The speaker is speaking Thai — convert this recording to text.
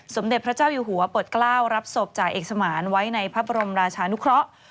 สมเด็จพระเจ้าอยู่หัวปลดกล้าวรับศพจ่าเอกสมานไว้ในพระบรมราชานุเคราะห์